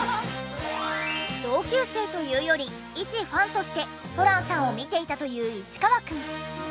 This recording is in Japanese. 同級生というよりいちファンとしてホランさんを見ていたという市川くん。